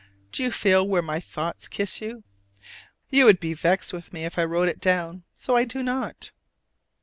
Do you feel where my thoughts kiss you? You would be vexed with me if I wrote it down, so I do not.